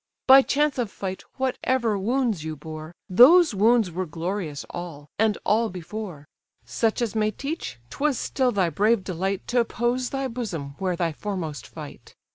By chance of fight whatever wounds you bore, Those wounds were glorious all, and all before; Such as may teach, 'twas still thy brave delight T'oppose thy bosom where thy foremost fight.